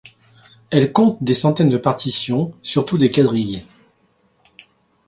Elle compte des centaines de partitions, surtout des quadrilles.